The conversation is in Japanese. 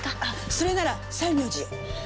それなら西明寺よ。